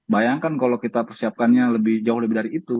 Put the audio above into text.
bayangkan kalau kita persiapkannya lebih jauh lebih dari itu